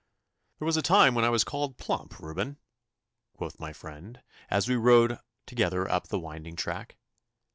'There was a time when I was called plump Reuben,' quoth my friend, as we rode together up the winding track.